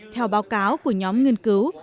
theo báo cáo của nhóm nghiên cứu